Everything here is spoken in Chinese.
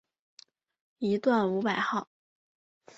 一段五百号